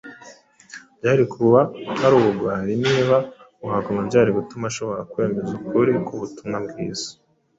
Byari kuba ari ubugwari niba kuhaguma byari gutuma ashobora kwemeza ukuri k’ubutumwa bwiza